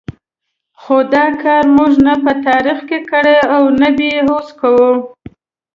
خو دا کار موږ نه په تاریخ کې کړی او نه یې اوس کوو.